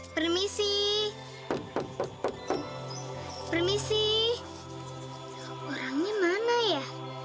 permisi orangnya mana ya